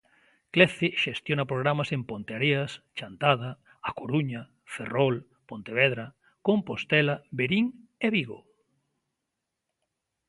Clece xestiona programas en Ponteareas, Chantada, A Coruña, Ferrol, Pontevedra, Compostela, Verín e Vigo.